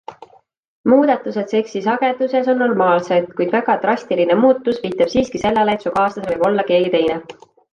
Muudatused seksi sageduses on normaalsed, kuid väga drastiline muutus viitab siiski sellele, et su kaaslasel võib olla keegi teine.